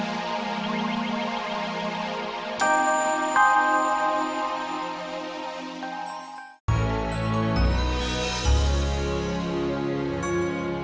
tidak ada alam